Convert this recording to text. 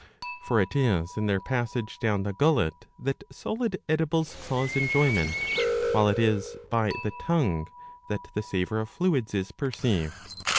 ''' For it is in their passage down the gullet that solid edibles cause enjoyment, while it is by the tongue that the savour of fluids is perceived.